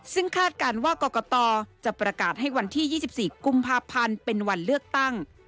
ซึ่งคาดการณ์ว่ากรกตจะประกาศให้วันที่๒๔กุมภาพันธ์เป็นวันเลือกตั้ง